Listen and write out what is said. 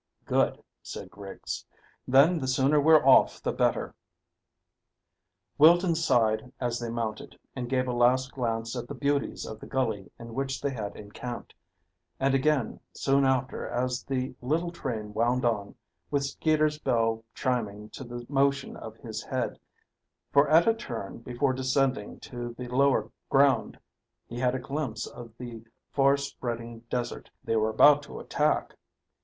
"Good," said Griggs; "then the sooner we're off the better." Wilton sighed as they mounted, and gave a last glance at the beauties of the gully in which they had encamped, and again soon after as the little train wound on, with Skeeter's bell chiming to the motion of his head, for at a turn before descending to the lower ground he had a glimpse of the far spreading desert they were about to attack.